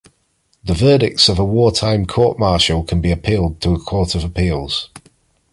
The verdicts of a war-time court-martial can be appealed to a court of appeals.